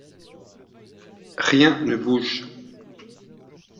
Rien ne bouge.